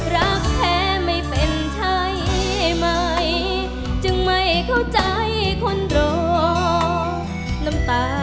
รักแท้ไม่เป็นใช่ไหม